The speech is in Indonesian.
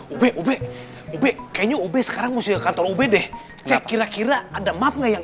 ube ube ube kayaknya ube sekarang masih kantor ube deh cek kira kira ada mapnya yang